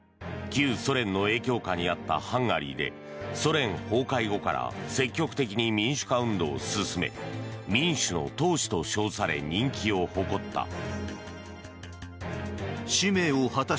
旧ソ連の影響下にあったハンガリーでソ連崩壊後から積極的に民主化運動を進め民主の闘士と称され人気を誇った。